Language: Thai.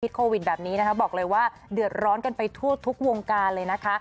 โควิดแบบนี้นะคะบอกเลยว่าเดือดร้อนกันไปทั่วทุกวงการเลยนะคะ